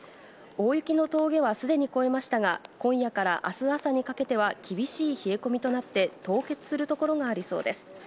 大雪の峠はすでに越えましたが、今夜からあす朝にかけては、厳しい冷え込みとなって、凍結する所がありそうです。